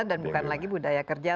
dan bukan lagi budaya kerja